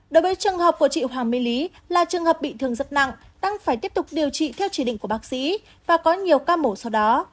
đối với trường hợp của chị hoàng mê lý là trường hợp bị thương rất nặng tăng phải tiếp tục điều trị theo chỉ định của bác sĩ và có nhiều ca mổ sau đó